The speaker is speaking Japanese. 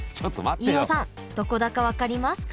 飯尾さんどこだか分かりますか？